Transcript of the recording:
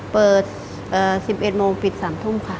เปิด๑๑โมงปิด๓ทุ่มค่ะ